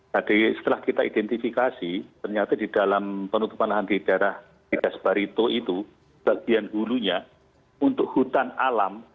jadi setelah kita identifikasi ternyata di dalam penutupan lahan di daerah tidas barito itu bagian gulunya untuk hutan alam